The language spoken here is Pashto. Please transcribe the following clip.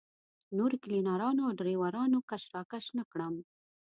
نورو کلینرانو او ډریورانو کش راکش نه کړم.